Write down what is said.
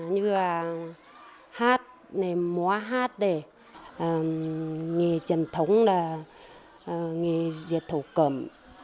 như hát múa hát nghề truyền thống nghề diệt thủ cẩm